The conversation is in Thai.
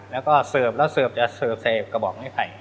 เราเสิร์ฟแล้วเสิร์ฟจะเสิร์ฟใส่กระบอกไว้ไข่